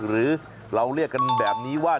หรือเราเรียกกันแบบนี้ว่า